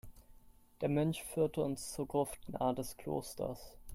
Der Mönch führte uns zur Gruft nahe des Klosters.